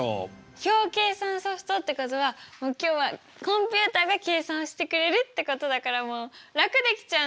表計算ソフトってことはもう今日はコンピューターが計算してくれるってことだからもう楽できちゃうんですね！